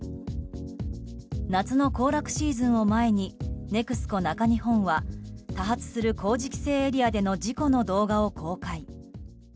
夏の行楽シーズンを前にＮＥＸＣＯ中日本は多発する工事規制エリアでの事故の動画を公開。